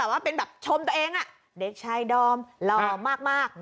อาจจะเป็นแบบชมตัวเองนะเด็กชายดอมลอมาก